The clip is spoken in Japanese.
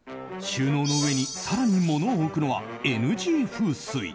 収納の上に更に物を置くのはＮＧ風水！